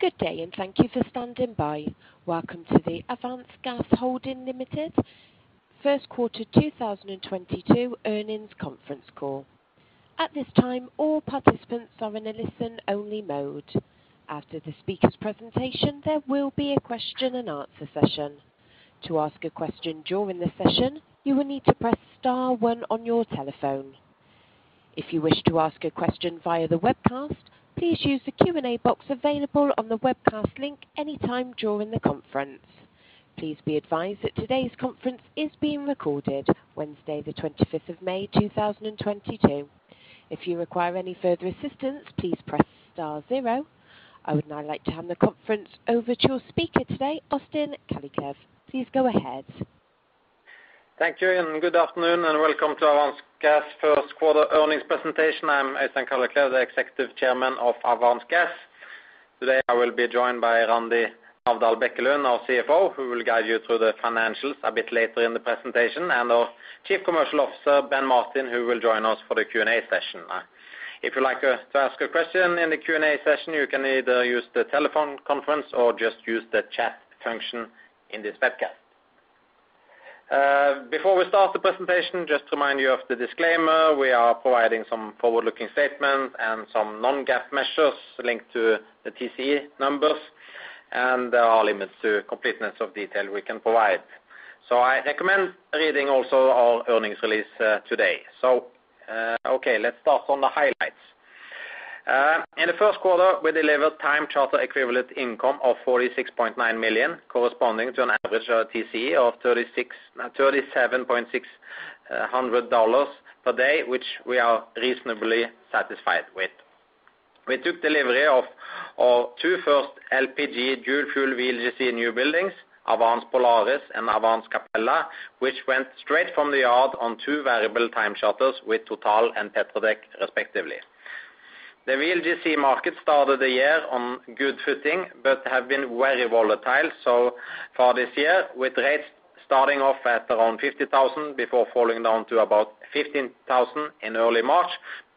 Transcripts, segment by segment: Good day and thank you for standing by. Welcome to the Avance Gas Holding Ltd first quarter 2022 earnings conference call. At this time, all participants are in a listen-only mode. After the speaker's presentation, there will be a question and answer session. To ask a question during the session, you will need to press star 1 on your telephone. If you wish to ask a question via the webcast, please use the Q&A box available on the webcast link anytime during the conference. Please be advised that today's conference is being recorded, Wednesday, the 25th of May, 2022. If you require any further assistance, please press star 0. I would now like to hand the conference over to your speaker today, Øystein Kalleklev. Please go ahead. Thank you, and good afternoon, and welcome to Avance Gas first quarter earnings presentation. I'm Øystein Kalleklev, the Executive Chairman of Avance Gas. Today, I will be joined by Randi Navdal Bekkelund, our CFO, who will guide you through the financials a bit later in the presentation, and our Chief Commercial Officer, Ben Martin, who will join us for the Q&A session. If you like to ask a question in the Q&A session, you can either use the telephone conference or just use the chat function in this webcast. Before we start the presentation, just to remind you of the disclaimer, we are providing some forward-looking statements and some non-GAAP measures linked to the TCE numbers, and there are limits to completeness of detail we can provide. I recommend reading also our earnings release today. Okay, let's start on the highlights. In the first quarter, we delivered time charter equivalent income of $46.9 million, corresponding to an average TCE of $37,600 per day, which we are reasonably satisfied with. We took delivery of two first LPG dual fuel VLGC new buildings, Avance Polaris and Avance Capella, which went straight from the yard on two variable time charters with TotalEnergies and Petredec, respectively. The VLGC market started the year on good footing, but have been very volatile so far this year, with rates starting off at around $50,000 before falling down to about $15,000 in early March,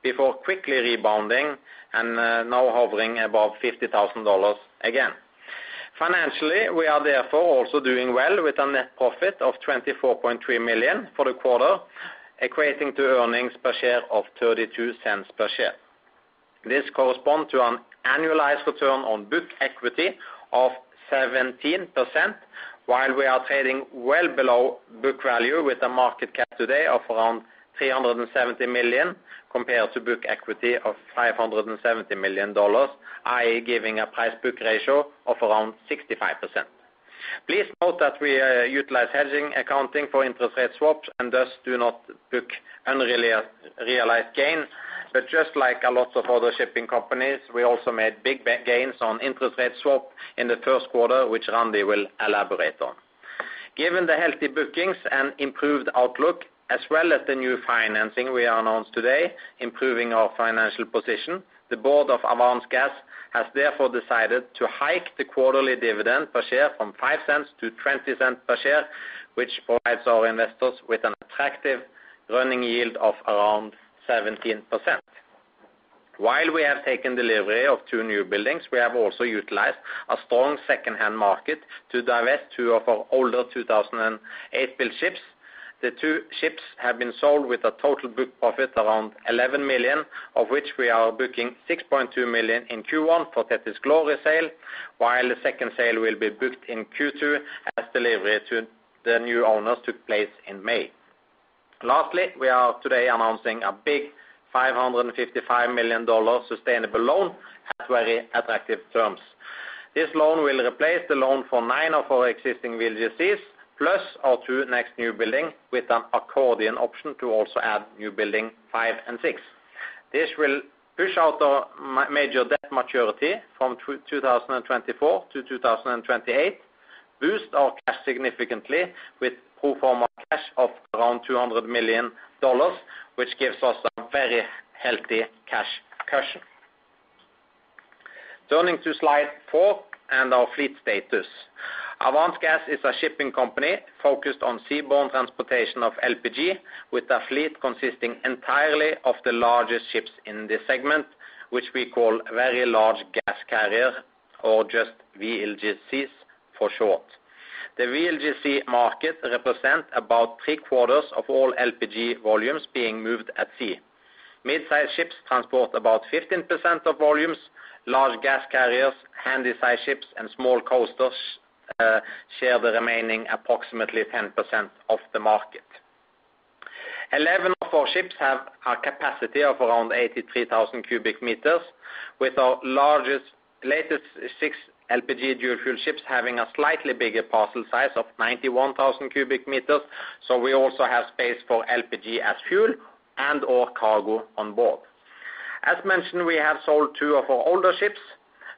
before quickly rebounding and now hovering above $50,000 again. Financially, we are therefore also doing well with a net profit of $24.3 million for the quarter, equating to earnings per share of $0.32 per share. This corresponds to an annualized return on book equity of 17%, while we are trading well below book value with a market cap today of around $370 million compared to book equity of $570 million, i.e., giving a price book ratio of around 65%. Please note that we utilize hedge accounting for interest rate swaps and thus do not book unrealized, realized gains. Just like a lot of other shipping companies, we also made big gains on interest rate swap in the first quarter, which Randi will elaborate on. Given the healthy bookings and improved outlook, as well as the new financing we announced today, improving our financial position, the board of Avance Gas has therefore decided to hike the quarterly dividend per share from $0.05-$0.20 per share, which provides our investors with an attractive running yield of around 17%. While we have taken delivery of two newbuildings, we have also utilized a strong secondhand market to divest two of our older 2008-built ships. The two ships have been sold with a total book profit around $11 million, of which we are booking $6.2 million in Q1 for Thetis Glory sale, while the second sale will be booked in Q2 as delivery to the new owners took place in May. Lastly, we are today announcing a $555 million sustainable loan at very attractive terms. This loan will replace the loan for 9 of our existing VLGCs, plus our two next new building with an accordion option to also add new building 5 and 6. This will push out our major debt maturity from 2024-2028, boost our cash significantly with pro forma cash of around $200 million, which gives us a very healthy cash cushion. Turning to slide 4 and our fleet status. Avance Gas is a shipping company focused on seaborne transportation of LPG, with a fleet consisting entirely of the largest ships in this segment, which we call Very Large Gas Carrier, or just VLGCs for short. The VLGC market represent about three-quarters of all LPG volumes being moved at sea. Mid-size gas carriers transport about 15% of volumes. Large Gas Carriers, handy-size ships, and small coasters share the remaining approximately 10% of the market. 11 of our ships have a capacity of around 83,000 cubic meters, with our latest six LPG dual fuel ships having a slightly bigger parcel size of 91,000 cubic meters, so we also have space for LPG as fuel and/or cargo on board. As mentioned, we have sold two of our older ships.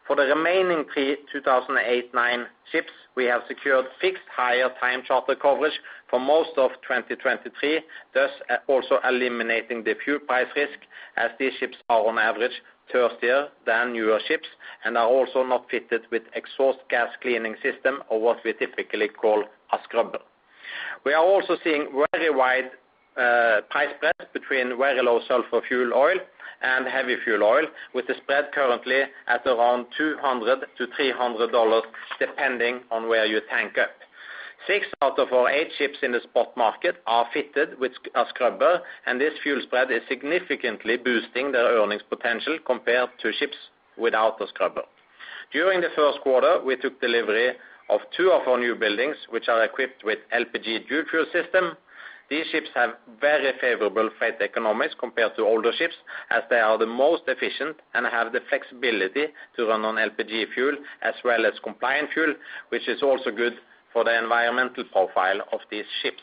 For the remaining three 2008/09 ships, we have secured fixed higher time charter coverage for most of 2023, thus also eliminating the fuel price risk, as these ships are on average thirstier than newer ships and are also not fitted with exhaust gas cleaning system or what we typically call a scrubber. We are also seeing very wide price spreads between very low sulfur fuel oil and heavy fuel oil, with the spread currently at around $200-$300 depending on where you tank up. Six out of our eight ships in the spot market are fitted with a scrubber, and this fuel spread is significantly boosting their earnings potential compared to ships without a scrubber. During the first quarter, we took delivery of two of our new buildings, which are equipped with LPG dual fuel system. These ships have very favorable freight economics compared to older ships, as they are the most efficient and have the flexibility to run on LPG fuel as well as compliant fuel, which is also good for the environmental profile of these ships.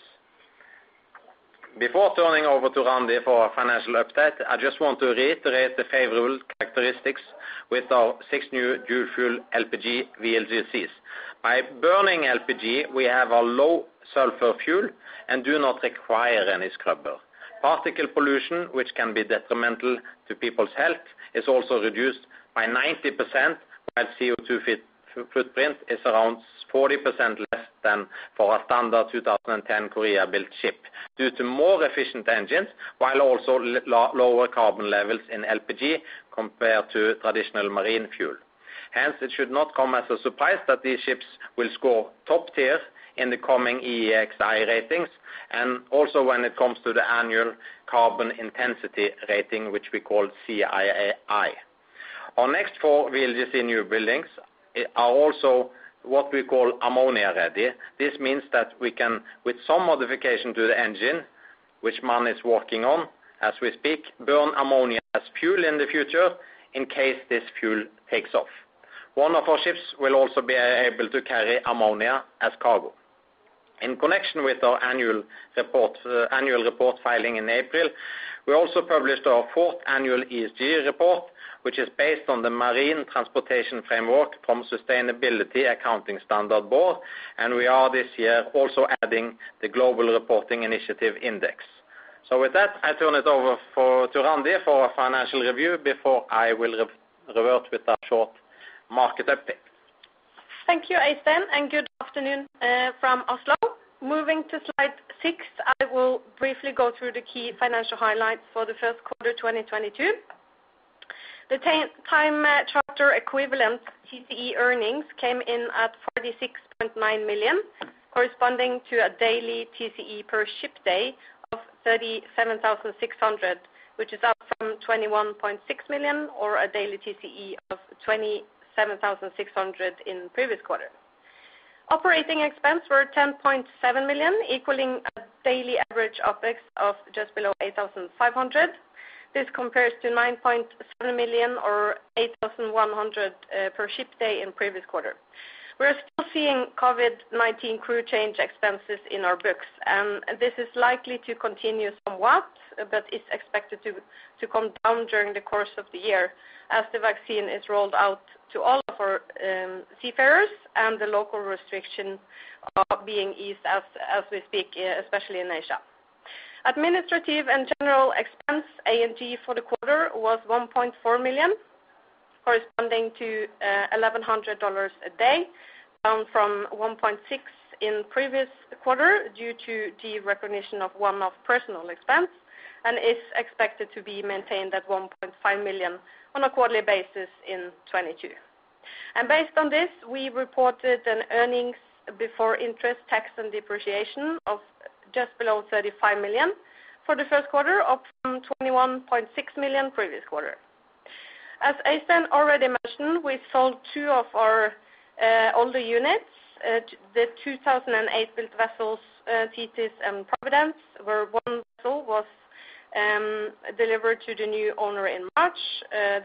Before turning over to Randi for our financial update, I just want to reiterate the favorable characteristics with our six new dual fuel LPG VLGCs. By burning LPG, we have a low sulfur fuel and do not require any scrubber. Particle pollution, which can be detrimental to people's health, is also reduced by 90%, while CO2 footprint is around 40% less than for a standard 2010 Korea-built ship due to more efficient engines, while also lower carbon levels in LPG compared to traditional marine fuel. Hence, it should not come as a surprise that these ships will score top tier in the coming EEXI ratings, and also when it comes to the annual carbon intensity rating, which we call CII. Our next four VLGC newbuildings are also what we call ammonia-ready. This means that we can, with some modification to the engine, which MAN is working on as we speak, burn ammonia as fuel in the future in case this fuel takes off. One of our ships will also be able to carry ammonia as cargo. In connection with our annual report filing in April, we also published our fourth annual ESG report, which is based on the marine transportation framework from Sustainability Accounting Standards Board, and we are this year also adding the Global Reporting Initiative index. With that, I turn it over to Randi for our financial review before I will revert with a short market update. Thank you, Øystein, and good afternoon from Oslo. Moving to slide six, I will briefly go through the key financial highlights for the first quarter 2022. The charter equivalent TCE earnings came in at $46.9 million, corresponding to a daily TCE per ship day of 37,600, which is up from $21.6 million or a daily TCE of 27,600 in previous quarter. Operating expense were $10.7 million, equaling a daily average OpEx of just below 8,500. This compares to $9.7 million or 8,100 per ship day in previous quarter. We are still seeing COVID-19 crew change expenses in our books, this is likely to continue somewhat, but it's expected to come down during the course of the year as the vaccine is rolled out to all of our seafarers and the local restriction being eased as we speak, especially in Asia. Administrative and general expense, A&G, for the quarter was $1.4 million, corresponding to $1,100 a day, down from $1.6 million in previous quarter due to the recognition of one-off personal expense, and is expected to be maintained at $1.5 million on a quarterly basis in 2022. Based on this, we reported an earnings before interest, tax, and depreciation of just below $35 million for the first quarter, up from $21.6 million previous quarter. As Øystein already mentioned, we sold two of our older units, the 2008-built vessels, Thetis and Providence, where one vessel was delivered to the new owner in March,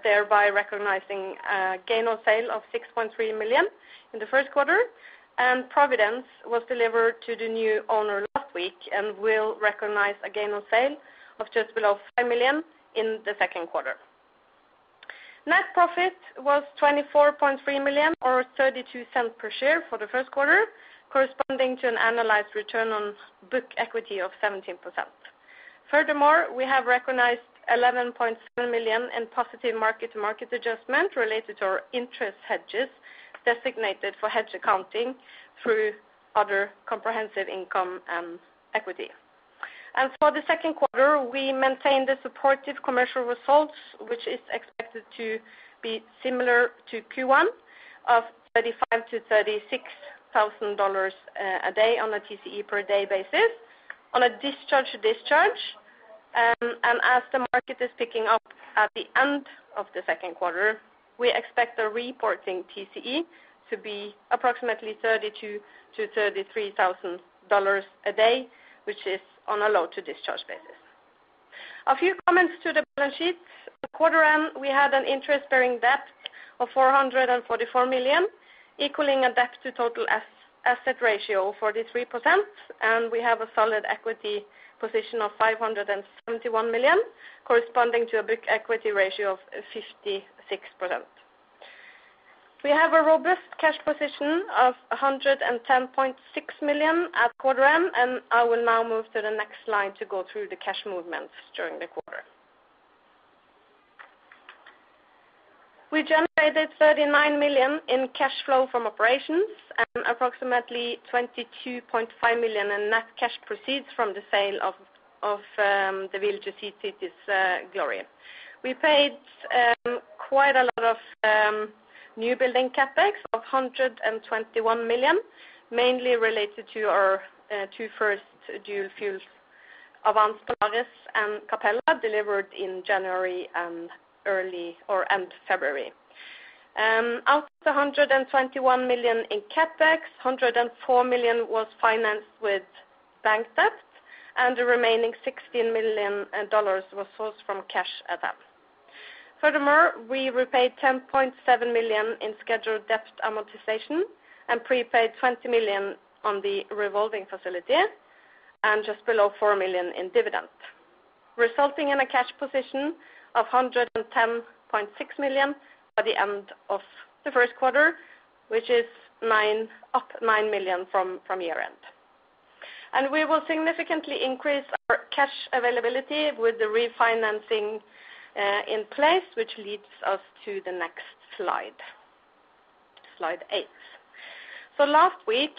thereby recognizing a gain on sale of $6.3 million in the first quarter, and Providence was delivered to the new owner last week and will recognize a gain on sale of just below $5 million in the second quarter. Net profit was $24.3 million or $0.32 per share for the first quarter, corresponding to an annualized return on book equity of 17%. Furthermore, we have recognized $11.7 million in positive mark-to-market adjustment related to our interest hedges designated for hedge accounting through other comprehensive income and equity. For the second quarter, we maintain the supportive commercial results, which is expected to be similar to Q1 of $35,000-$36,000 a day on a TCE per day basis on a discharge-to-discharge. As the market is picking up at the end of the second quarter, we expect the reporting TCE to be approximately $32,000-$33,000 a day, which is on a load-to-discharge basis. A few comments to the balance sheet. At quarter end, we had an interest-bearing debt of $444 million, equaling a debt-to-total asset ratio of 43%, and we have a solid equity position of $571 million, corresponding to a book equity ratio of 56%. We have a robust cash position of $110.6 million at quarter end, and I will now move to the next slide to go through the cash movements during the quarter. We generated $39 million in cash flow from operations and approximately $22.5 million in net cash proceeds from the sale of the VLGC Thetis Glory. We paid quite a lot of new building CapEx of $121 million, mainly related to our 2 first dual fuels, Avance Polaris and Avance Capella, delivered in January and early or end February. Out of the $121 million in CapEx, $104 million was financed with bank debt, and the remaining $16 million was sourced from cash at hand. Furthermore, we repaid $10.7 million in scheduled debt amortization and prepaid $20 million on the revolving facility and just below $4 million in dividends, resulting in a cash position of $110.6 million by the end of the first quarter, which is up $9 million from year-end. We will significantly increase our cash availability with the refinancing in place, which leads us to the next slide. Slide eight. Last week,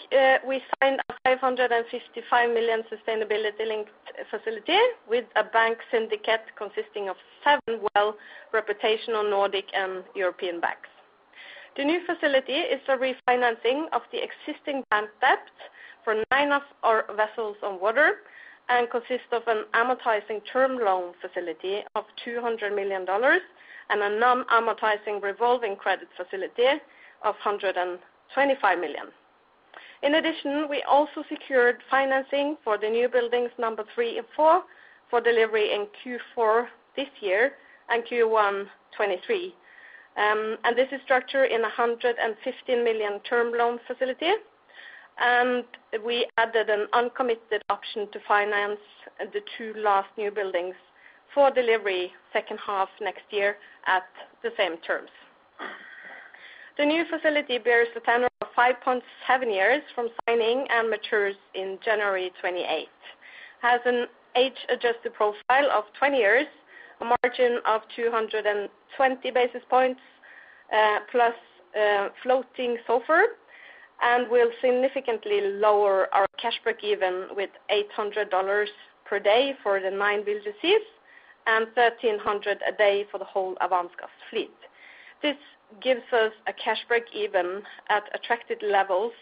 we signed a $555 million sustainability-linked facility with a bank syndicate consisting of seven well-reputed Nordic and European banks. The new facility is a refinancing of the existing bank debt for nine of our vessels on water and consists of an amortizing term loan facility of $200 million and a non-amortizing revolving credit facility of $125 million. In addition, we also secured financing for the newbuildings number three and four for delivery in Q4 this year and Q1 2023. This is structured in a $115 million term loan facility, and we added an uncommitted option to finance the two last newbuildings for delivery second half next year at the same terms. The new facility bears a tenor of 5.7 years from signing and matures in January 2028, has an age-adjusted profile of 20 years, a margin of 220 basis points, plus floating SOFR, and will significantly lower our cash break-even with $800 per day for the nine VLGCs and $1,300 a day for the whole Avance Gas fleet. This gives us a cash break-even at attractive levels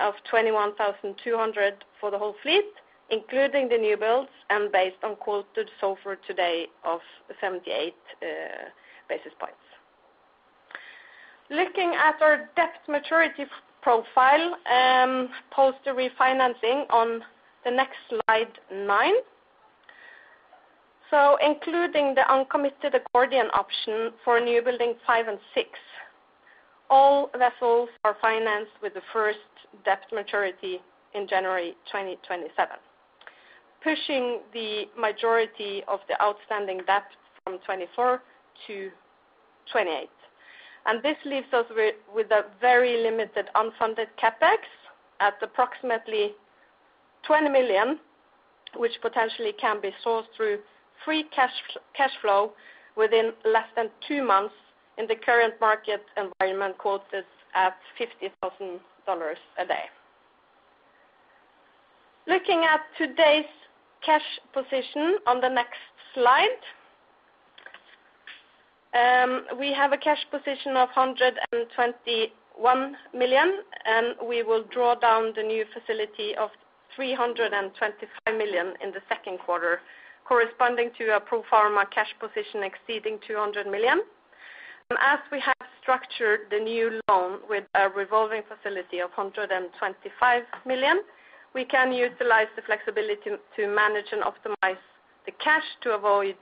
of $21,200 for the whole fleet, including the new builds and based on quoted SOFR today of 78 basis points. Looking at our debt maturity profile post the refinancing on the next slide, nine. Including the uncommitted accordion option for newbuilding five and six, all vessels are financed with the first debt maturity in January 2027, pushing the majority of the outstanding debt from 2024-2028. This leaves us with a very limited unfunded CapEx at approximately $20 million, which potentially can be sourced through free cash flow within less than two months in the current market environment quotes at $50,000 a day. Looking at today's cash position on the next slide, we have a cash position of $121 million, and we will draw down the new facility of $325 million in the second quarter, corresponding to a pro forma cash position exceeding $200 million. We have structured the new loan with a revolving facility of $125 million, we can utilize the flexibility to manage and optimize the cash to avoid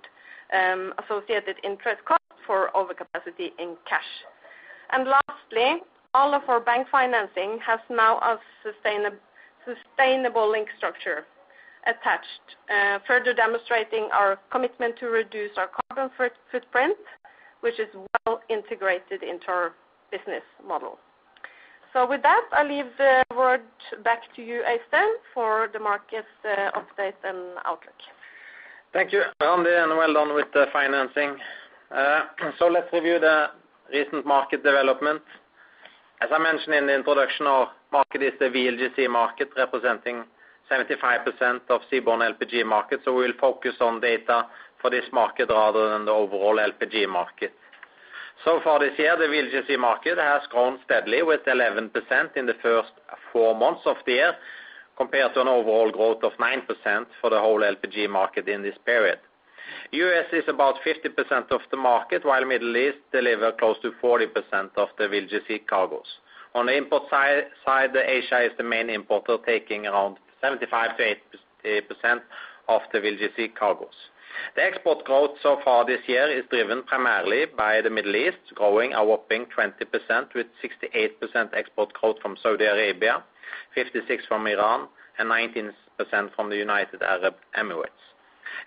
associated interest costs for overcapacity in cash. Lastly, all of our bank financing has now a sustainability-linked structure attached, further demonstrating our commitment to reduce our carbon footprint, which is well integrated into our business model. With that, I leave the word back to you, Øystein, for the market update and outlook. Thank you, Randi, and well done with the financing. Let's review the recent market development. As I mentioned in the introduction, our market is the VLGC market, representing 75% of seaborne LPG market. We'll focus on data for this market rather than the overall LPG market. So far this year, the VLGC market has grown steadily with 11% in the first four months of the year compared to an overall growth of 9% for the whole LPG market in this period. U.S. is about 50% of the market, while Middle East deliver close to 40% of the VLGC cargoes. On the import side, Asia is the main importer, taking around 75%-80% of the VLGC cargoes. The export growth so far this year is driven primarily by the Middle East, growing a whopping 20%, with 68% export growth from Saudi Arabia, 56% from Iran, and 19% from the United Arab Emirates.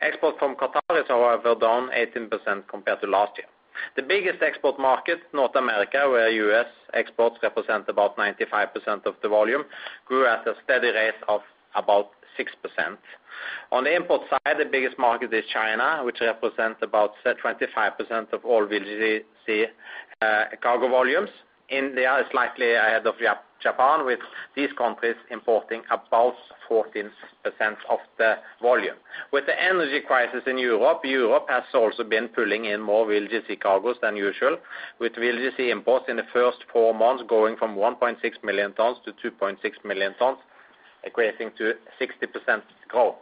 Export from Qatar is, however, down 18% compared to last year. The biggest export market, North America, where U.S. exports represent about 95% of the volume, grew at a steady rate of about 6%. On the import side, the biggest market is China, which represents about 25% of all VLGC cargo volumes. India is slightly ahead of Japan, with these countries importing about 14% of the volume. With the energy crisis in Europe has also been pulling in more VLGC cargos than usual, with VLGC imports in the first four months going from 1.6 million tons to 2.6 million tons, equating to 60% growth.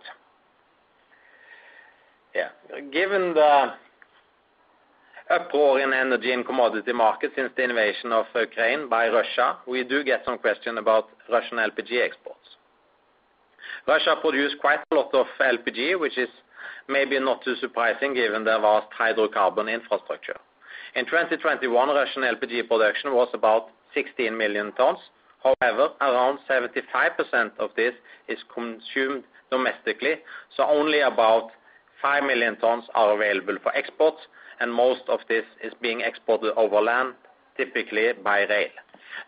Yeah. Given the uproar in energy and commodity markets since the invasion of Ukraine by Russia, we do get some question about Russian LPG exports. Russia produce quite a lot of LPG, which is maybe not too surprising given their vast hydrocarbon infrastructure. In 2021, Russian LPG production was about 16 million tons. However, around 75% of this is consumed domestically, so only about 5 million tons are available for exports, and most of this is being exported over land, typically by rail.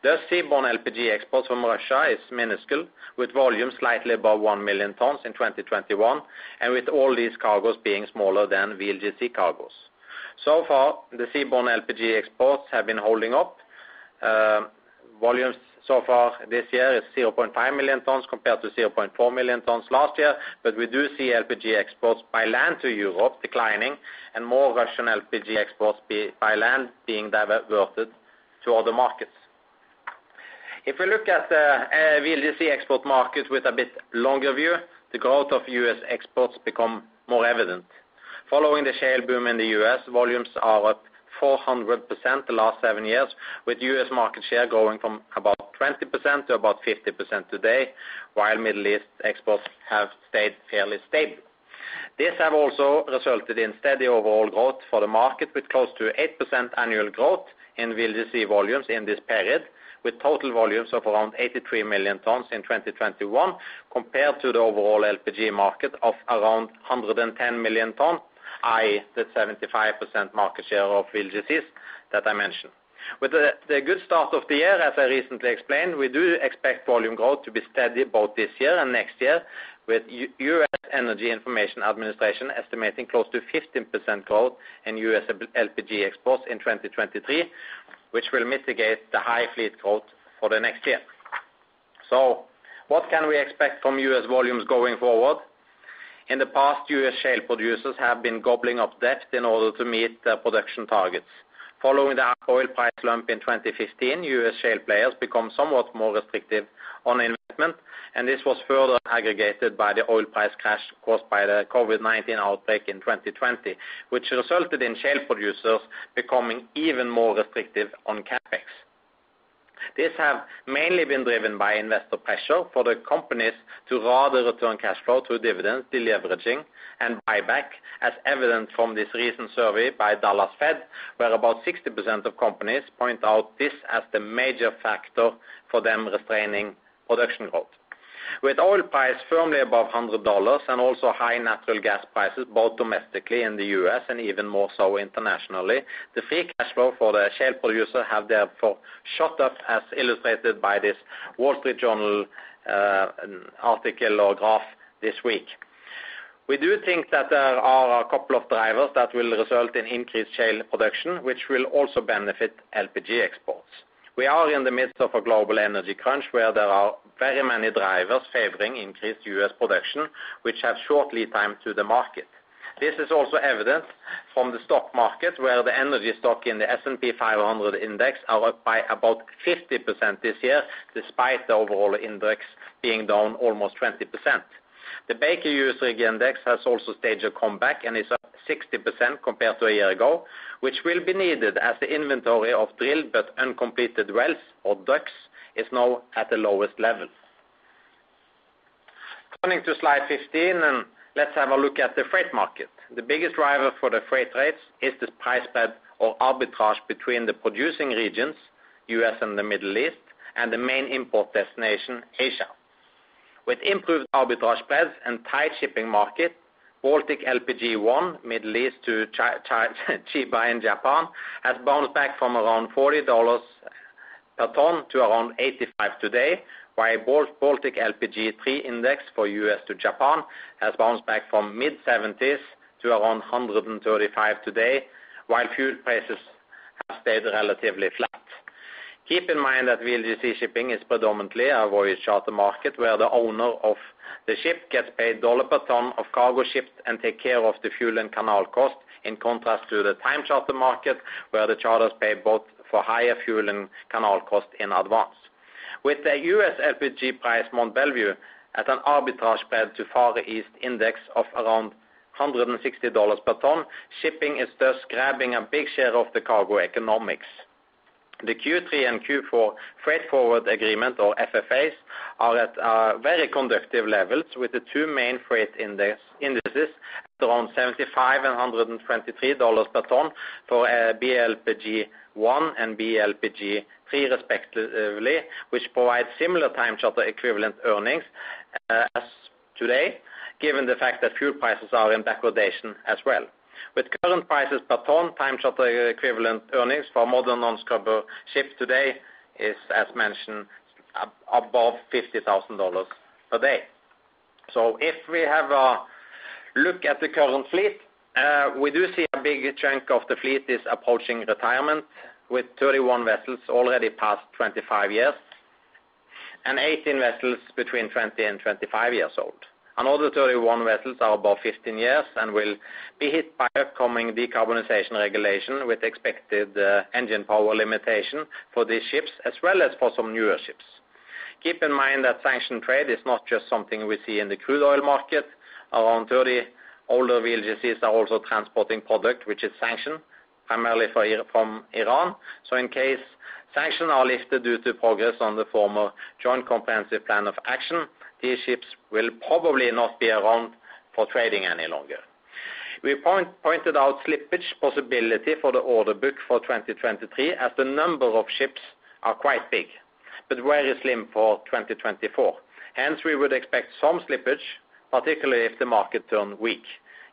The seaborne LPG exports from Russia is minuscule, with volume slightly above 1 million tons in 2021, and with all these cargoes being smaller than VLGC cargoes. The seaborne LPG exports have been holding up. Volumes so far this year is 0.5 million tons compared to 0.4 million tons last year. We do see LPG exports by land to Europe declining and more Russian LPG exports by land being diverted to other markets. If we look at the VLGC export market with a bit longer view, the growth of US exports become more evident. Following the shale boom in the US, volumes are up 400% the last seven years, with US market share growing from about 20% to about 50% today, while Middle East exports have stayed fairly stable. This have also resulted in steady overall growth for the market, with close to 8% annual growth in VLGC volumes in this period, with total volumes of around 83 million tons in 2021 compared to the overall LPG market of around 110 million tons, i.e., the 75% market share of VLGCs that I mentioned. With the good start of the year, as I recently explained, we do expect volume growth to be steady both this year and next year, with U.S. Energy Information Administration estimating close to 15% growth in U.S. LPG exports in 2023, which will mitigate the high fleet growth for the next year. What can we expect from U.S. volumes going forward? In the past, U.S. shale producers have been gobbling up debt in order to meet their production targets. Following the oil price slump in 2015, U.S. shale players become somewhat more restrictive on investment, and this was further aggravated by the oil price crash caused by the COVID-19 outbreak in 2020, which resulted in shale producers becoming even more restrictive on CapEx. This have mainly been driven by investor pressure for the companies to rather return cash flow through dividends, deleveraging, and buyback, as evident from this recent survey by Dallas Fed, where about 60% of companies point out this as the major factor for them restraining production growth. With oil price firmly above $100 and also high natural gas prices, both domestically in the U.S. and even more so internationally, the free cash flow for the shale producer have therefore shot up, as illustrated by this The Wall Street Journal article or graph this week. We do think that there are a couple of drivers that will result in increased shale production, which will also benefit LPG exports. We are in the midst of a global energy crunch where there are very many drivers favoring increased U.S. production, which have short lead time to the market. This is also evident from the stock market, where the energy stocks in the S&P 500 index are up by about 50% this year, despite the overall index being down almost 20%. The Baker Hughes Rig Index has also staged a comeback and is up 60% compared to a year ago, which will be needed as the inventory of drilled but uncompleted wells, or DUCs, is now at the lowest levels. Turning to slide 15, and let's have a look at the freight market. The biggest driver for the freight rates is this price spread or arbitrage between the producing regions, U.S. and the Middle East, and the main import destination, Asia. With improved arbitrage spreads and tight shipping market, Baltic LPG One, Middle East to Chiba in Japan, has bounced back from around $40 per ton to around 85 today, while Baltic LPG Three Index for U.S. to Japan has bounced back from mid-70s to around 135 today, while fuel prices have stayed relatively flat. Keep in mind that VLGC shipping is predominantly a voyage charter market, where the owner of the ship gets paid dollar per ton of cargo shipped and take care of the fuel and canal costs, in contrast to the time charter market, where the charters pay both for higher fuel and canal costs in advance. With the US LPG price Mont Belvieu at an arbitrage spread to Far East index of around $160 per ton, shipping is thus grabbing a big share of the cargo economics. The Q3 and Q4 freight forward agreement, or FFAs, are at very conducive levels with the two main freight indices at around $75 and $123 per ton for BLPG One and BLPG Three, respectively, which provides similar time charter equivalent earnings as today, given the fact that fuel prices are in degradation as well. With current prices per ton, time charter equivalent earnings for modern non-scrubber ships today is, as mentioned above $50,000 a day. If we have a look at the current fleet, we do see a big chunk of the fleet is approaching retirement with 31 vessels already past 25 years and 18 vessels between 20 and 25 years old. All the 31 vessels are above 15 years and will be hit by upcoming decarbonization regulation with expected engine power limitation for these ships as well as for some newer ships. Keep in mind that sanction trade is not just something we see in the crude oil market. Around 30 older VLGCs are also transporting product, which is sanctioned primarily from Iran. In case sanctions are lifted due to progress on the former Joint Comprehensive Plan of Action, these ships will probably not be around for trading any longer. We pointed out slippage possibility for the order book for 2023, as the number of ships are quite big but very slim for 2024. Hence, we would expect some slippage, particularly if the market turn weak.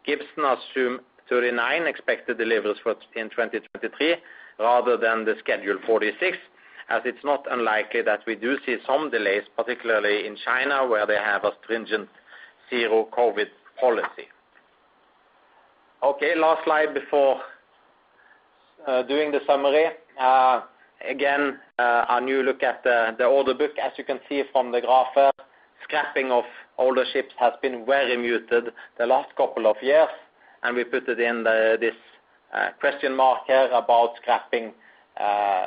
Gibson assume 39 expected deliveries in 2023 rather than the scheduled 46, as it's not unlikely that we do see some delays, particularly in China, where they have a stringent zero-COVID policy. Okay, last slide before doing the summary. Again, a new look at the order book. As you can see from the graph, scrapping of older ships has been very muted the last couple of years, and we put it in this question mark here about scrapping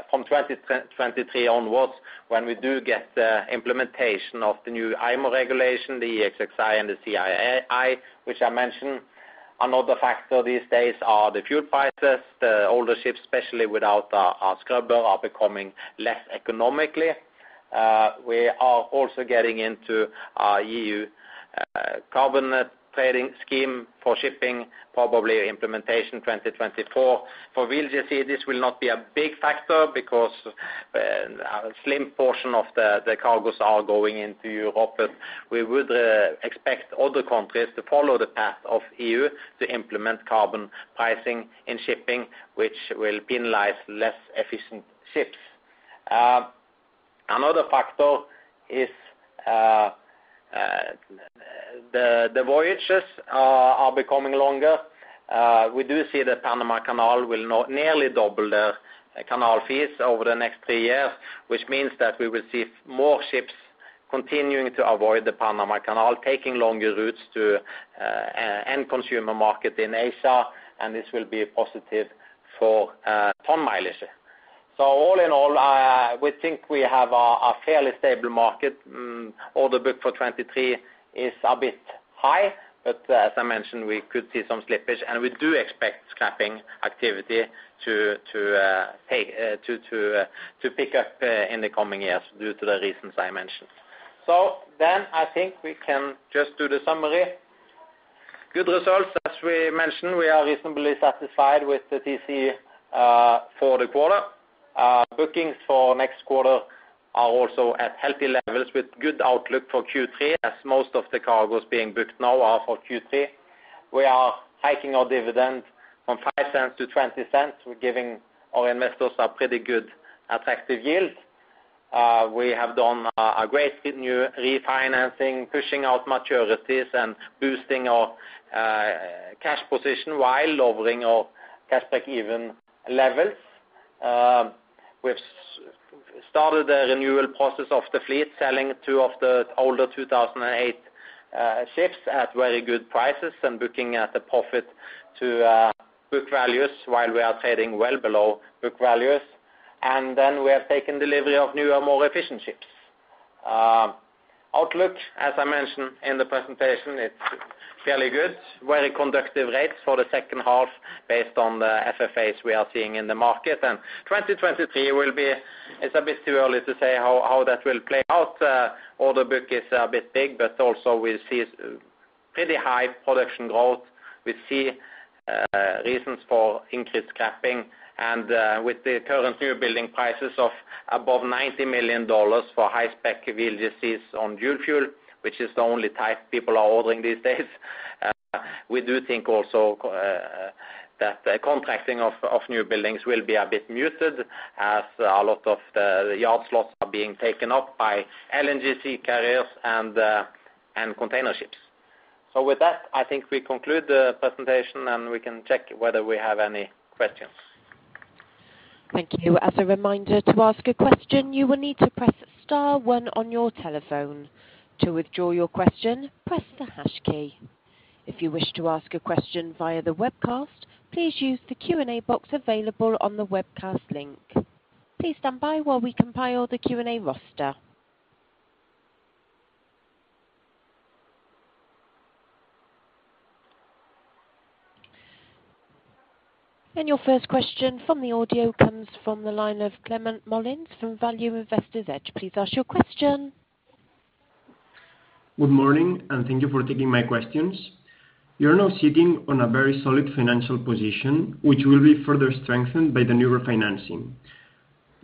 from 2023 onwards when we do get the implementation of the new IMO regulation, the EEXI and the CII, which I mentioned. Another factor these days are the fuel prices. The older ships, especially without a scrubber, are becoming less economically. We are also getting into EU carbon trading scheme for shipping, probably implementation 2024. For VLGC, this will not be a big factor because a slim portion of the cargoes are going into Europe. We would expect other countries to follow the path of EU to implement carbon pricing in shipping, which will penalize less efficient ships. Another factor is the voyages are becoming longer. We do see the Panama Canal will nearly double their canal fees over the next 3 years, which means that we will see more ships continuing to avoid the Panama Canal, taking longer routes to end consumer market in Asia, and this will be positive for ton mileage. All in all, we think we have a fairly stable market. Order book for 2023 is a bit high, but as I mentioned, we could see some slippage. We do expect scrapping activity to pick up in the coming years due to the reasons I mentioned. I think we can just do the summary. Good results. As we mentioned, we are reasonably satisfied with the TC for the quarter. Bookings for next quarter are also at healthy levels with good outlook for Q3, as most of the cargoes being booked now are for Q3. We are hiking our dividend from $0.05-$0.20. We're giving our investors a pretty good attractive yield. We have done a great new refinancing, pushing out maturities and boosting our cash position while lowering our cash break-even levels. We've started the renewal process of the fleet, selling two of the older 2008 ships at very good prices and booking at a profit to book values while we are trading well below book values. Then we have taken delivery of newer, more efficient ships. Outlook, as I mentioned in the presentation, it's fairly good. Very conducive rates for the second half based on the FFAs we are seeing in the market. 2023 will be—it's a bit too early to say how that will play out. Order book is a bit big, but also we see pretty high production growth. We see reasons for increased scrapping. With the current newbuilding prices of above $90 million for high-spec VLGCs on dual fuel, which is the only type people are ordering these days, we do think also that the contracting of newbuildings will be a bit muted as a lot of the yard slots are being taken up by LNGC carriers and container ships. With that, I think we conclude the presentation, and we can check whether we have any questions. Thank you. As a reminder, to ask a question, you will need to press star 1 on your telephone. To withdraw your question, press the hash key. If you wish to ask a question via the webcast, please use the Q&A box available on the webcast link. Please stand by while we compile the Q&A roster. Your first question from the audio comes from the line of Climent Molins from Value Investor's Edge. Please ask your question. Good morning, and thank you for taking my questions. You're now sitting on a very solid financial position, which will be further strengthened by the new refinancing.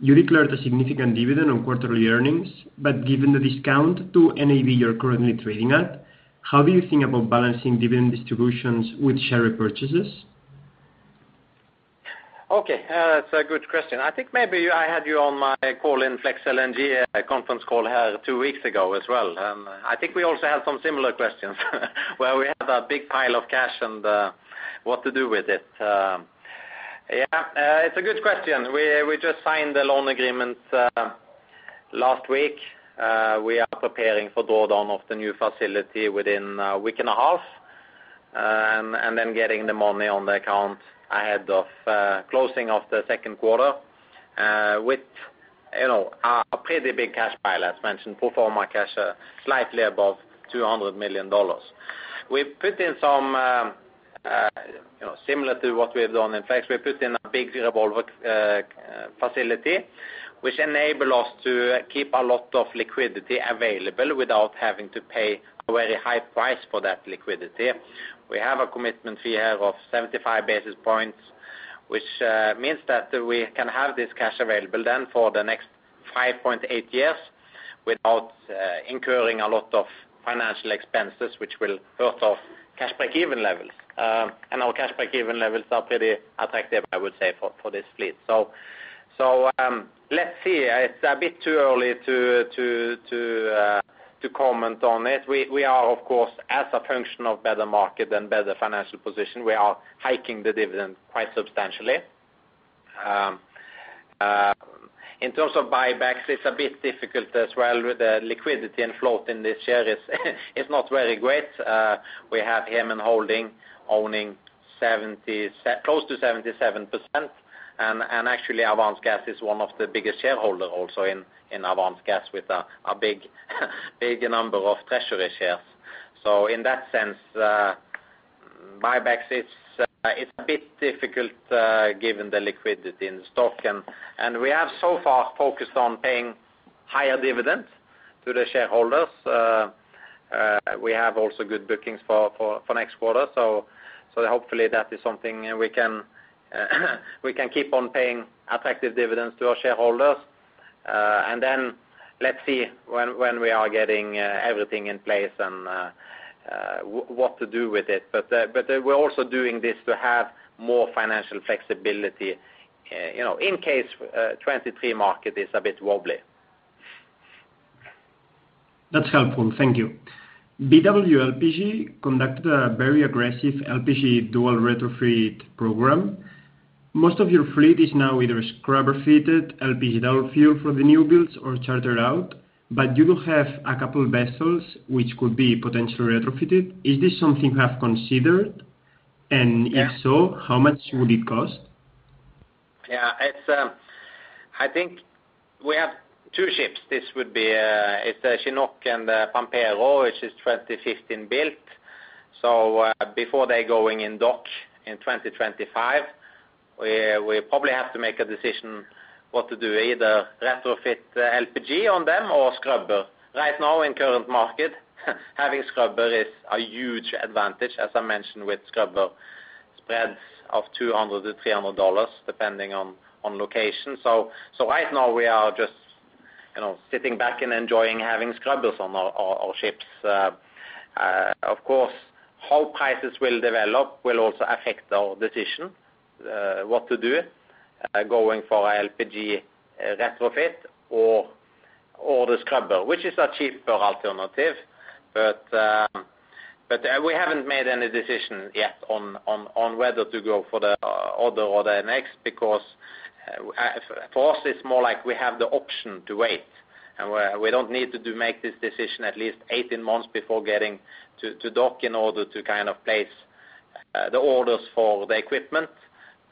You declared a significant dividend on quarterly earnings, but given the discount to NAV you're currently trading at, how do you think about balancing dividend distributions with share repurchases? Okay, that's a good question. I think maybe I had you on my call in Flex LNG conference call here two weeks ago as well. I think we also had some similar questions, where we have a big pile of cash and, what to do with it. Yeah, it's a good question. We just signed the loan agreement, last week. We are preparing for draw down of the new facility within a week and a half. Getting the money on the account ahead of closing of the second quarter with, you know, a pretty big cash pile. As mentioned, pro forma cash slightly above $200 million. We've put in some, you know, similar to what we have done in Flex LNG, we put in a big revolver facility, which enable us to keep a lot of liquidity available without having to pay a very high price for that liquidity. We have a commitment fee here of 75 basis points, which means that we can have this cash available then for the next 5.8 years without incurring a lot of financial expenses, which will hurt our cash break-even levels. Our cash break-even levels are pretty attractive, I would say, for this fleet. Let's see. It's a bit too early to comment on it. We are, of course, as a function of better market and better financial position, we are hiking the dividend quite substantially. In terms of buybacks, it's a bit difficult as well with the liquidity and float in this year is not very great. We have Hemen Holding owning close to 77%. Actually, Avance Gas is one of the biggest shareholder also in Avance Gas with a big number of treasury shares. In that sense, buybacks is a bit difficult given the liquidity in stock. We have so far focused on paying higher dividends to the shareholders. We have also good bookings for next quarter. Hopefully that is something we can keep on paying effective dividends to our shareholders. Then let's see when we are getting everything in place and what to do with it. We're also doing this to have more financial flexibility, you know, in case 2023 market is a bit wobbly. That's helpful. Thank you. BW LPG conducted a very aggressive LPG dual retrofit program. Most of your fleet is now either scrubber fitted, LPG dual fuel for the new builds or chartered out, but you do have a couple vessels which could be potentially retrofitted. Is this something you have considered? If so, how much would it cost? Yeah, it's. I think we have two ships. This would be Chinook and Pampero, which is 2015-built. Before they go in dock in 2025, we probably have to make a decision what to do, either retrofit LPG on them or scrubber. Right now in current market, having scrubber is a huge advantage, as I mentioned, with scrubber spreads of $200-$300, depending on location. Right now we are just, you know, sitting back and enjoying having scrubbers on our ships. Of course, how prices will develop will also affect our decision, what to do, going for a LPG retrofit or the scrubber, which is a cheaper alternative. We haven't made any decision yet on whether to go for the other or the next, because for us, it's more like we have the option to wait, and we don't need to make this decision at least 18 months before getting to dock in order to kind of place the orders for the equipment.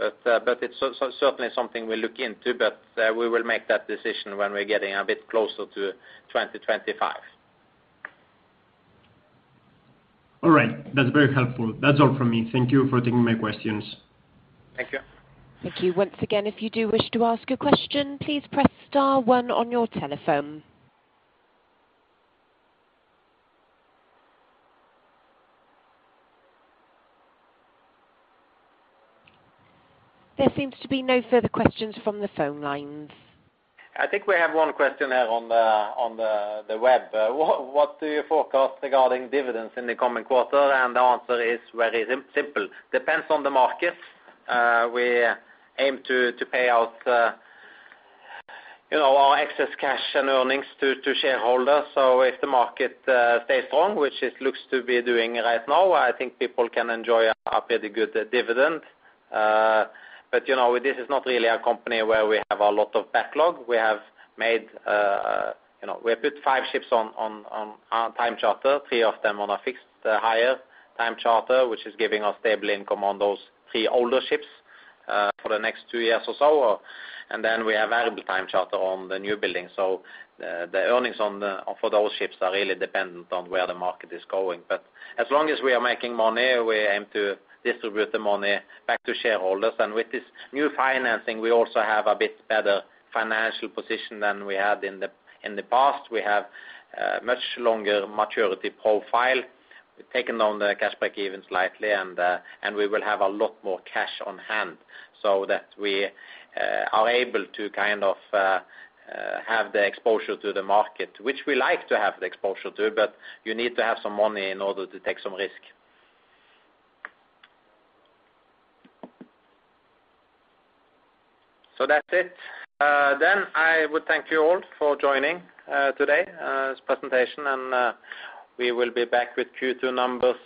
It's certainly something we look into, but we will make that decision when we're getting a bit closer to 2025. All right. That's very helpful. That's all from me. Thank you for taking my questions. Thank you. Thank you. Once again, if you do wish to ask a question, please press star 1 on your telephone. There seems to be no further questions from the phone lines. I think we have one question here on the web. What do you forecast regarding dividends in the coming quarter? The answer is very simple. Depends on the market. We aim to pay out, you know, our excess cash and earnings to shareholders. If the market stays strong, which it looks to be doing right now, I think people can enjoy a pretty good dividend. But, you know, this is not really a company where we have a lot of backlog. We have made, you know, we put five ships on time charter, three of them on a fixed higher time charter, which is giving us stable income on those three older ships for the next two years or so. Then we have variable time charter on the new building. The earnings for those ships are really dependent on where the market is going. As long as we are making money, we aim to distribute the money back to shareholders. With this new financing, we also have a bit better financial position than we had in the past. We have much longer maturity profile. We've taken on the cash break-even slightly, and we will have a lot more cash on hand so that we are able to kind of have the exposure to the market, which we like to have the exposure to, but you need to have some money in order to take some risk. That's it. I would thank you all for joining today this presentation, and we will be back with Q2 numbers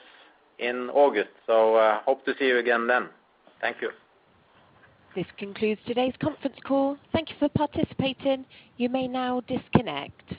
in August. Hope to see you again then. Thank you. This concludes today's conference call. Thank you for participating. You may now disconnect.